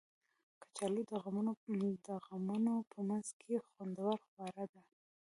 کچالو د غمونو په منځ کې خوندور خواړه دي